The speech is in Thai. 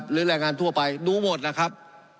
หรือแรงงานทั่วไปดูหมดนะครับ